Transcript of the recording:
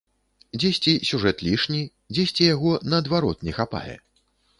Дзесьці сюжэт лішні, дзесьці яго наадварот не хапае.